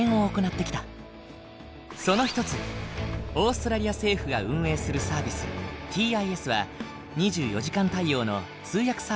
その一つオーストラリア政府が運営するサービスＴＩＳは２４時間対応の通訳サービスだ。